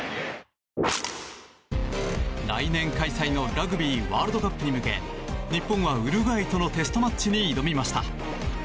来年開催のラグビーワールドカップに向け日本はウルグアイとのテストマッチに挑みました。